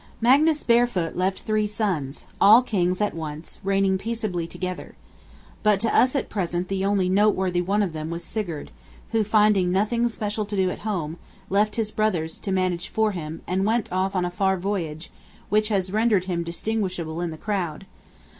Magnus Barefoot left three sons, all kings at once, reigning peaceably together. But to us, at present, the only noteworthy one of them was Sigurd; who, finding nothing special to do at home, left his brothers to manage for him, and went off on a far Voyage, which has rendered him distinguishable in the crowd.